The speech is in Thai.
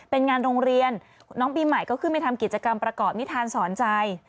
เป็นงานโรงเรียนน้องปีใหม่ก็ขึ้นไปทำกิจกรรมประกอบนิทานสอนใจ